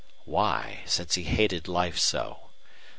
Why, since he hated life so?